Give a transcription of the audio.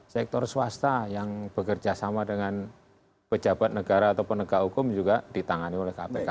sektor swasta yang bekerja sama dengan pejabat negara atau penegak hukum juga ditangani oleh kpk